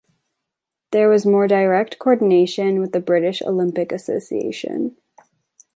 There was more direct coordination with the British Olympic Association.